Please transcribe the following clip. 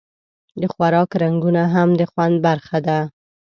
د خوراک رنګونه هم د خوند برخه ده.